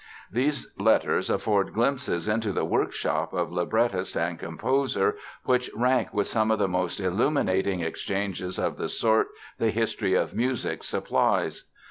These letters afford glimpses into the workshop of librettist and composer which rank with some of the most illuminating exchanges of the sort the history of music supplies.